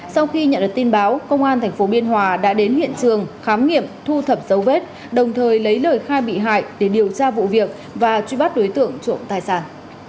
sau khi nhận được tin báo công an tp biên hòa đã đến hiện trường khám nghiệm thu thập dấu vết đồng thời lấy lời khai bị hại để điều tra vụ việc và truy bắt đối tượng trộm tài sản